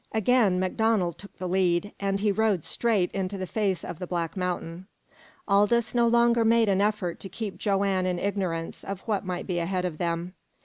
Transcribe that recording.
Again MacDonald took the lead, and he rode straight into the face of the black mountain. Aldous no longer made an effort to keep Joanne in ignorance of what might be ahead of them.